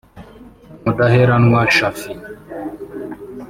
Mudaheranwa Shaffi